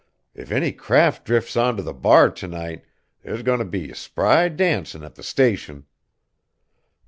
If any craft drifts on t' the bar t' night there's goin' t' be spry dancin' at the Station."